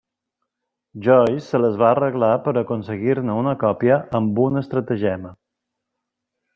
Joyce se les va arreglar per aconseguir-ne una còpia amb un estratagema.